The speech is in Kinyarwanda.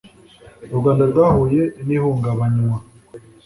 u rwanda rwahuye n'ihungabanywa